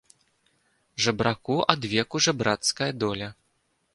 Жабраку адвеку жабрацкая доля.